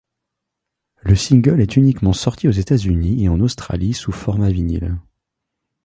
Le single est uniquement sorti aux États-Unis et en Australie sous format vinyle.